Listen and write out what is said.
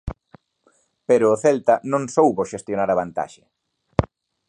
Pero o Celta non soubo xestionar a vantaxe.